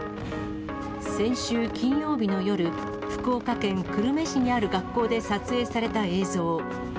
先週金曜日の夜、福岡県久留米市にある学校で撮影された映像。